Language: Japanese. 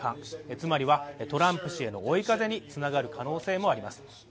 つまりはトランプ氏への追い風につながる可能性もあります。